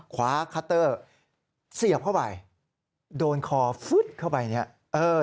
คว้าคัตเตอร์เสียบเข้าไปโดนคอฟุ้ดเข้าไปเนี่ย